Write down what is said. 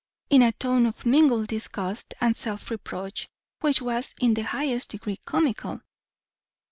in a tone of mingled disgust and self reproach which was in the highest degree comical."